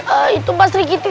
ah itu pak sri kiti